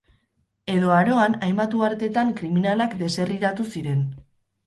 Edo Aroan hainbat uhartetan kriminalak deserriratu ziren.